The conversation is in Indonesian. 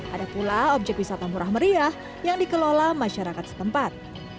ada pula objek wisata murah meriah yang dikelola masyarakat setempat